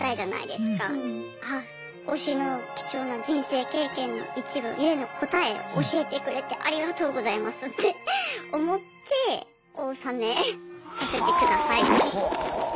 推しの貴重な人生経験の一部ゆえの答えを教えてくれてありがとうございますって思ってお納めさせてくださいって。